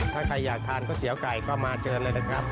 ถ้าใครอยากทานก๋วยเตี๋ยวไก่ก็มาเชิญเลยนะครับ